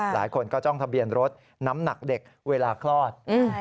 หลายคนก็จ้องทะเบียนรถน้ำหนักเด็กเวลาคลอด